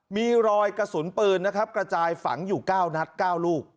มีรอยกระสุนปืนนะครับกระจายฝังอยู่๙นัด๙ลูก